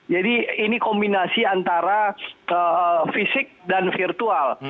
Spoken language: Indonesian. jadi ini kombinasi antara fisik dan virtual